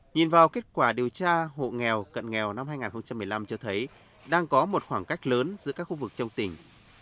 nhìn vào kết quả điều tra hộ nghèo cận nghèo năm hai nghìn một mươi năm cho thấy đang có một khoảng cách lớn giữa các khu vực trong tỉnh